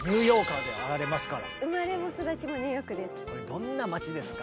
どんな街ですか？